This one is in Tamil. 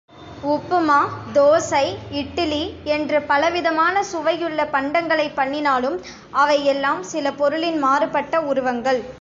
உப்புமா, தோசை, இட்டிலி என்று பலவிதமான சுவையுள்ள பண்டங்களைப் பண்ணினாலும் அவை எல்லாம் சில பொருளின் மாறுபட்ட உருவங்கள்.